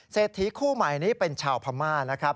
เศรษฐีคู่ใหม่นี้เป็นชาวพม่านะครับ